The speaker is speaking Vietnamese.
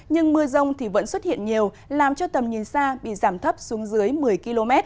nhưng mưa rông thì vẫn xuất hiện nhiều làm cho tầm nhìn xa bị giảm thấp xuống dưới một mươi km